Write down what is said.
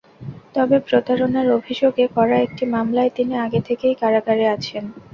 তবে প্রতারণার অভিযোগে করা একটি মামলায় তিনি আগে থেকেই কারাগারে আছেন।